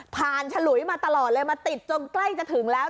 ฉลุยมาตลอดเลยมาติดจนใกล้จะถึงแล้ว